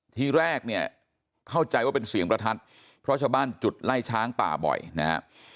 ทีแรกเนี่ยเข้าใจว่าเป็นเสียงประทัดเพราะชาวบ้านจุดไล่ช้างป่าบ่อยนะครับ